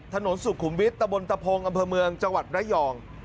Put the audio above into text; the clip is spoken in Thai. ถนนสุขุมวิทย์ตะบนตะพงอำเภอเมืองจังหวัดระยอง